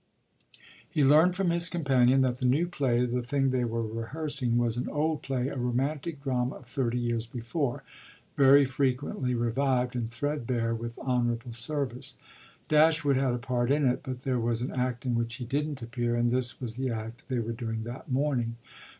He learned from his companion that the new play, the thing they were rehearsing, was an old play, a romantic drama of thirty years before, very frequently revived and threadbare with honourable service. Dashwood had a part in it, but there was an act in which he didn't appear, and this was the act they were doing that morning.